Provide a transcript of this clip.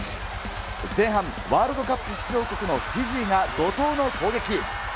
前半、ワールドカップ出場国のフィジーが怒とうの攻撃。